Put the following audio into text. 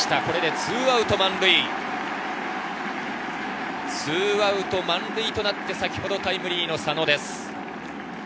２アウト満塁となって先ほどタイムリーの佐野です。